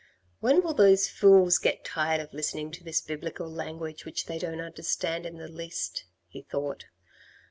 " When will those fools get tired of listening to this Biblical language, which they don't understand in the least," he thought.